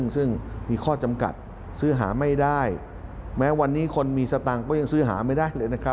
ซึ่งมีข้อจำกัดซื้อหาไม่ได้แม้วันนี้คนมีสตังค์ก็ยังซื้อหาไม่ได้เลยนะครับ